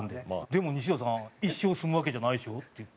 「でも西田さん一生住むわけじゃないでしょ？」って言って。